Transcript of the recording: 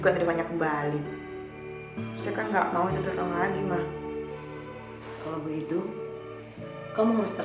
terima kasih ma